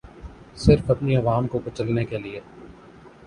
صرف اپنی عوام کو کچلنے کیلیے